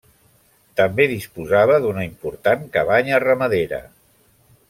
També disposava d'una important cabanya ramadera.